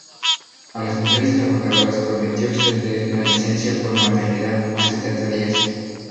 A las mujeres trabajadoras, prometió extender la licencia por maternidad a sesenta días.